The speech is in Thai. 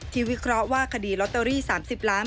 วิเคราะห์ว่าคดีลอตเตอรี่๓๐ล้าน